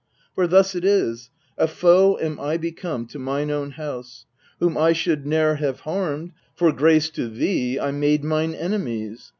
For thus it is : a foe am I become To mine own house. Whom I should ne'er have harmed, For grace to thee I made mine enemies.